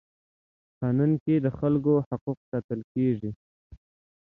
قانون کي د خلکو حقوق ساتل کيږي.